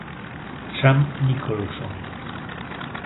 Sam Nicholson